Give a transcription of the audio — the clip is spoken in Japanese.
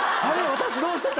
私どうしてた？」